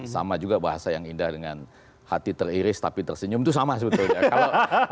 sama juga bahasa yang indah dengan hati teriris tapi tersenyum itu sama sebetulnya